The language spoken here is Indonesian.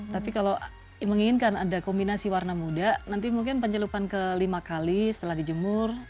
tapi kalau menginginkan ada kombinasi warna muda nanti mungkin pencelupan ke lima kali setelah dijemur